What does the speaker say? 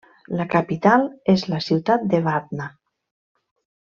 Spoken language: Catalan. La capital és la ciutat de Batna.